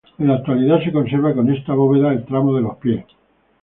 En la actualidad se conserva con esta bóveda el tramo de los pies.